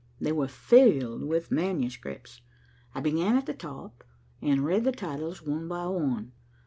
They were filled with manuscripts. I began at the top and read the titles one by one.